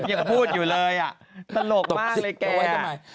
อย่างพูดอยู่เลยอ่ะตลกมากเลยแก่อ่ะ